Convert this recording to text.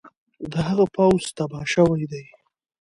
د هغه پوځ تباه شوی دی.